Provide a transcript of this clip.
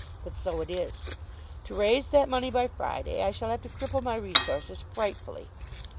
But so it is. To raise that money by Friday, I shall have to cripple my resources frightfully.